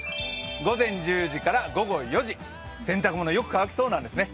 午前１０時から午後４時、洗濯物よく乾きそうなんですね。